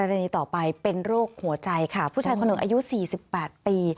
กรณีต่อไปเป็นโรคหัวใจค่ะผู้ชายคนหนึ่งอายุ๔๘ปี